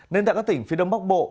nên tại các tỉnh phía đông bắc bộ